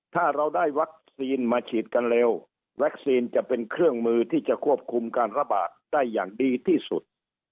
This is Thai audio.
ถ้าเราได้วัคซีนมาฉีดกันเร็ววัคซีนจะเป็นเครื่องมือที่จะควบคุมการระบาดได้อย่างดีที่สุด